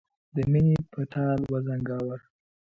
د مینې په ټال وزنګاوه.